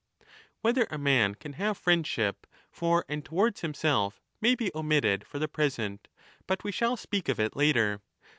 Whether a man can have friendship for and towards himself may be omitted for the present, but we shall speak of it later.